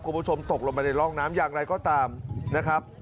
คุณผู้ชมตกลงไปในร่องน้ำอย่างไรก็ตามนะครับ